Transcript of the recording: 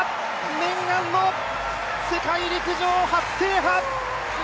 念願の世界陸上初制覇！